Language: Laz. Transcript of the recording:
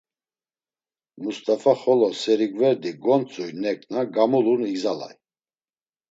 Must̆afa xolo serigverdi gontzuy neǩna, gamulun igzalay.